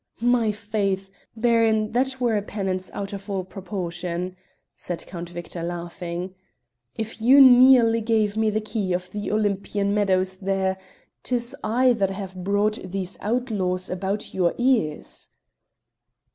"My faith! Baron, that were a penance out of all proportion!" said Count Victor, laughing. "If you nearly gave me the key of the Olympian meadows there, 'tis I that have brought these outlaws about your ears."